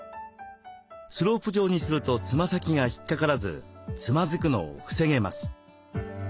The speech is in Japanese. スロープ状にするとつま先が引っかからずつまずくのを防げます。